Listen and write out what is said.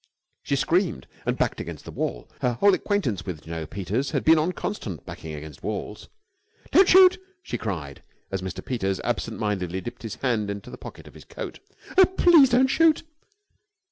She screamed, and backed against the wall. Her whole acquaintance with Jno. Peters had been on constant backing against walls. "Don't shoot!" she cried, as Mr. Peters absent mindedly dipped his hand into the pocket of his coat. "Oh, please don't shoot!"